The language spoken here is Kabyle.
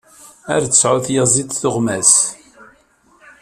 Ar tesɛu tyaziḍt tuɣmas!